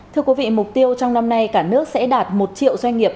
thưa quý vị mục tiêu trong năm nay cả nước sẽ đạt một triệu doanh nghiệp